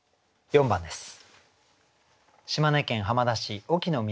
４番です。